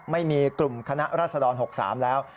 ไม่มีกลุ่มคณะรัศดร๖๓แล้ว